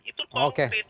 itu tolong berit